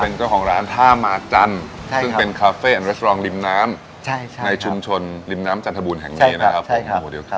เป็นเจ้าของร้านท่ามาจันทร์ซึ่งเป็นคาเฟ่อเรสรองริมน้ำในชุมชนริมน้ำจันทบูรณ์แห่งนี้นะครับ